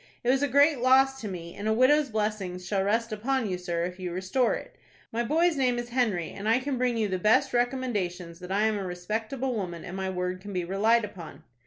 It was a great loss to me, and a widow's blessings shall rest upon you, sir, if you restore it. My boy's name is Henry, and I can bring you the best recommendations that I am a respectable woman, and my word can be relied upon."